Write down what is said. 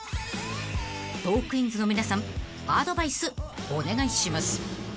［トークィーンズの皆さんアドバイスお願いします］